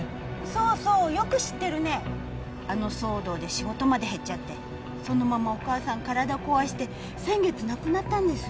そうそうよく知ってるねあの騒動で仕事まで減っちゃってそのままお母さん体壊して先月亡くなったんですよ